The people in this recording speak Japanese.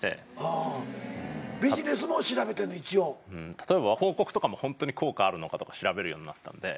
例えば広告とかもホントに効果あるのかとか調べるようになったんで。